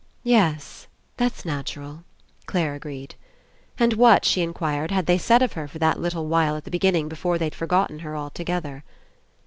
*'Yes, that's natural," Clare agreed. And what, she inquired, had they said of her for that little while at the beginning before they'd forgotten her altogether?